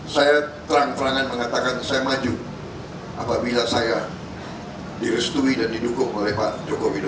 saya terang terangan mengatakan saya maju apabila saya direstui dan didukung oleh pak joko widodo